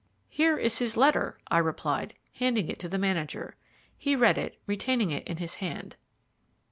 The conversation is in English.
"Here is his letter," I replied, handing it to the manager. He read it, retaining it in his hand.